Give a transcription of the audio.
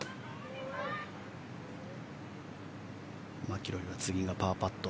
マキロイは次がパーパット。